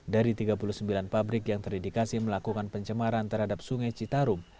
dari tiga puluh sembilan pabrik yang terindikasi melakukan pencemaran terhadap sungai citarum